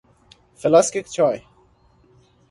فلاسک چای